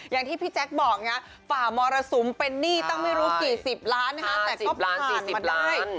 อย่างที่พี่แจ๊คบอกนะฝ่ามรสุมเป็นหนี้ตั้งไม่รู้กี่สิบล้านนะคะแต่ก็ผ่านมาได้